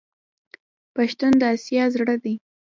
پښتون د اسیا زړه دی.